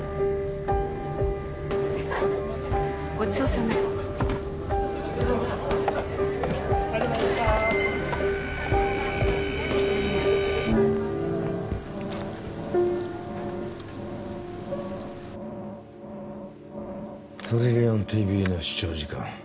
ごちそうさま・ありがとうございましたトリリオンＴＶの視聴時間